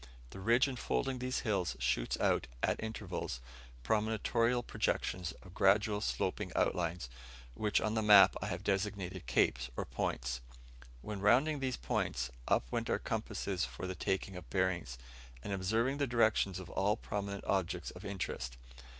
The ridge enfolding these hills shoots out, at intervals, promontorial projections of gradual sloping outlines, which on the map I have designated capes, or points. When rounding these points, up went our compasses for the taking of bearings, and observing the directions of all prominent objects of interest.